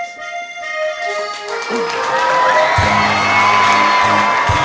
วันนี้ข้าสม่ำคนนี้